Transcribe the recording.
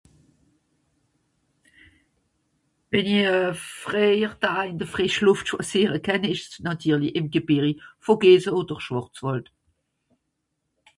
Un temps libre pour moi c'est en plein air ; Vosges ou Forêt Noire